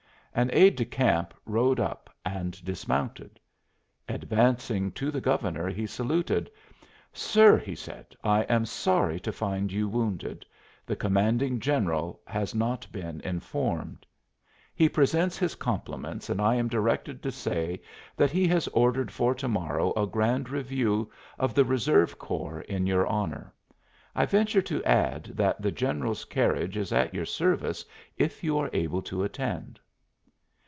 An aide de camp rode up and dismounted. Advancing to the Governor he saluted. "Sir," he said, "I am sorry to find you wounded the Commanding General has not been informed. He presents his compliments and I am directed to say that he has ordered for to morrow a grand review of the reserve corps in your honor. I venture to add that the General's carriage is at your service if you are able to attend."